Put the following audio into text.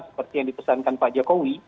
seperti yang dipesankan pak jokowi